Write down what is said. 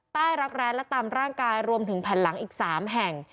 รักแร้และตามร่างกายรวมถึงแผ่นหลังอีก๓แห่ง